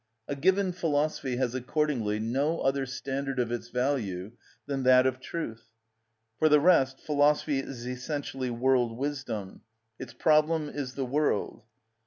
A given philosophy has accordingly no other standard of its value than that of truth. For the rest, philosophy is essentially world wisdom: its problem is the world.